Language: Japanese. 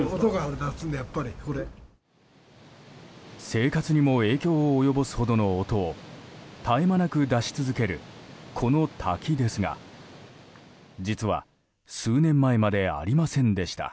生活に影響を及ぼすほどの音を絶え間なく出し続けるこの滝ですが実は、数年前までありませんでした。